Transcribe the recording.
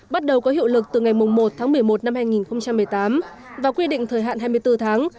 bắt đầu có hiệu lực từ ngày một tháng một mươi một năm hai nghìn một mươi tám và quy định thời hạn hai mươi bốn tháng